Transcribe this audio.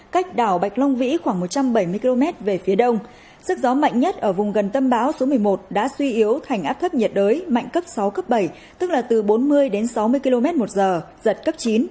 cách đảo bạch long vĩ khoảng một trăm bảy mươi km về phía đông sức gió mạnh nhất ở vùng gần tâm bão số một mươi một đã suy yếu thành áp thấp nhiệt đới mạnh cấp sáu cấp bảy tức là từ bốn mươi đến sáu mươi km một giờ giật cấp chín